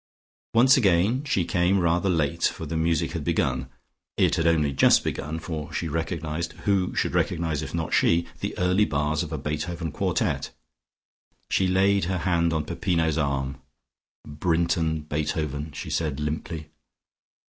Once again she came rather late, for the music had begun. It had only just begun, for she recognised who should recognise if not she? the early bars of a Beethoven quartet. She laid her hand on Peppino's arm. "Brinton: Beethoven," she said limply.